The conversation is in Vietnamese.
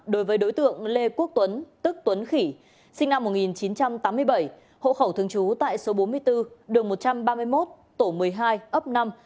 đối với đối tượng lê quốc tuấn tức tuấn khỉ sinh năm một nghìn chín trăm tám mươi bảy hộ khẩu thường trú tại số bốn mươi bốn đường một trăm ba mươi một tổ một mươi hai ấp năm